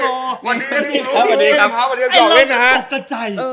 อย่างเล่นอ่ะ